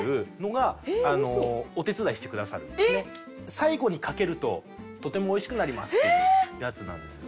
最後にかけるととてもおいしくなりますっていうやつなんです。